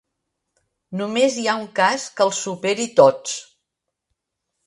Només hi ha un cas que els superi tots.